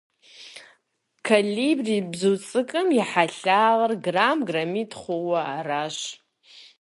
Колибри бзу цIыкIум и хьэлъагъыр грамм-граммитI хъууэ аращ.